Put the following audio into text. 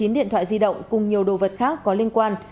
một mươi chín điện thoại di động cùng nhiều đồ vật khác có liên quan